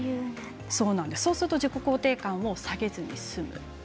そうすると自己肯定感を下げずに済む。